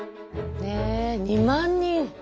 え２万人。